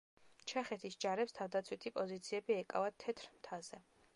ჩეხეთის ჯარებს თავდაცვითი პოზიციები ეკავათ თეთრ მთაზე.